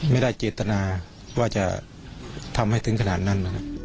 ไม่ได้เจตนาว่าจะทำให้ถึงขนาดนั้นนะครับ